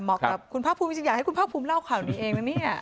กับคุณภาคภูมิจริงอยากให้คุณภาคภูมิเล่าข่าวนี้เองนะเนี่ย